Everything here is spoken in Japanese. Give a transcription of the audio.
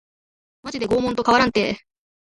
マジで拷問と変わらんて